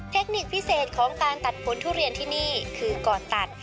เทคนิคพิเศษของการตัดผลทุเรียนที่นี่คือก่อนตัด